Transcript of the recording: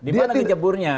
di mana ngejeburnya